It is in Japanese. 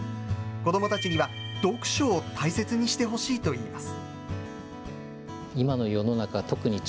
子どもたちには読書を大切にしてほしいといいます。